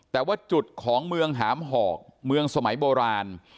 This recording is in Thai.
แต่ว่าจุดของเมืองหามหอกเมืองสมัยโบราณ